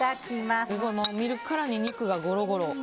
見るからに肉がゴロゴロ。